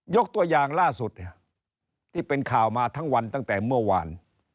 ยกตัวอย่างล่าสุดที่เป็นข่าวมาทั้งวันตั้งแต่เมื่อวาน